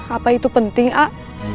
apa itu penting ak